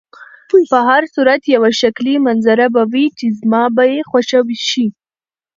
په هر صورت یوه ښکلې منظره به وي چې زما به یې خوښه شي.